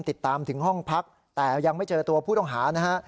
ติดตามถึงห้องพักแต่ยังไม่เจอตัวผู้ต้องหานะฮะ